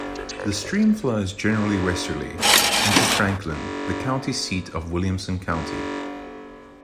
The stream flows generally westerly into Franklin, the county seat of Williamson County.